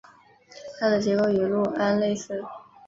它的结构与氯胺类似。